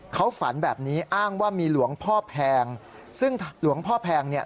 เขาฝันแบบนี้อ้างว่ามีหลวงพ่อแพงซึ่งหลวงพ่อแพงเนี่ย